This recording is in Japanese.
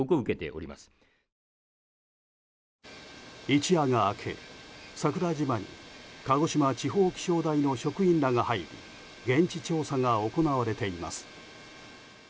一夜が明け、桜島に鹿児島地方気象台の職員らが入り現地調査が行われています。